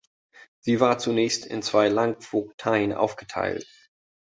Sie war zunächst in zwei Landvogteien aufgeteilt.